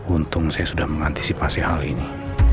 untung saya sudah mengantisipasi hal ini